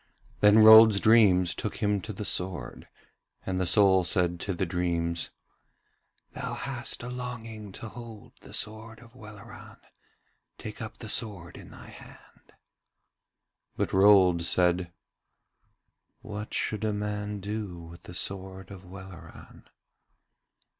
Then Rold's dreams took him to the sword, and the soul said to the dreams: 'Thou hast a longing to hold the sword of Welleran: take up the sword in thy hand.' But Rold said: 'What should a man do with the sword of Welleran?'